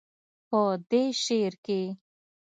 پۀ دې شعر کښې